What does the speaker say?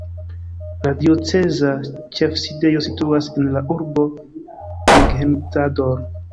La dioceza ĉefsidejo situas en la urbo Jeghegnadzor.